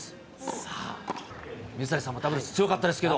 さあ、水谷さんもダブルス強かったですけど。